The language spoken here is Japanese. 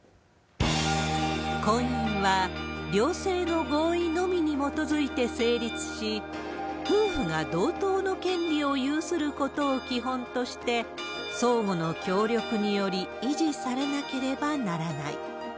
婚姻は、両性の合意のみに基づいて成立し、夫婦が同等の権利を有することを基本として、相互の協力により維持されなければならない。